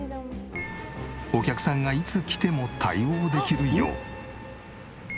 お客さんがいつ来ても対応できるよう。